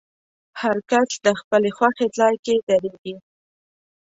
هر کس د خپلې خوښې ځای کې درېږي.